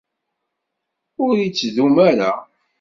Ur ittdum ara.